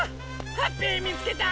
ハッピーみつけた！